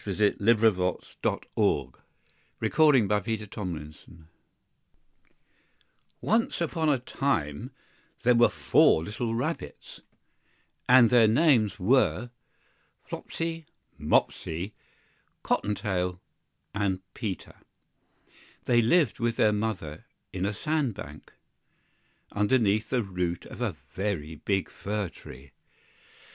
THE TALE OF PETER RABBIT BY BEATRIX POTTER ONCE upon a time there were four little Rabbits, and their names were Flopsy, Mopsy, Cotton tail, and Peter. They lived with their Mother in a sand bank, underneath the root of a very big fir tree.